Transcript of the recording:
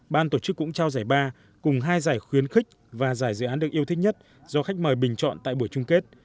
ban tổ chức cũng trao giải ba cùng hai giải khuyến khích và giải dự án được yêu thích nhất do khách mời bình chọn tại buổi chung kết